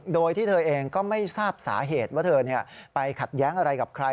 โดยที่เธอเองก็ไม่ทราบสาเหตุว่าเธอไปขัดแย้งอะไรกับใคร